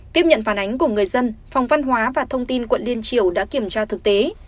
tiếp nhận phản ánh của người dân phòng văn hóa và thông tin quận liên triều đã kiểm tra thực tế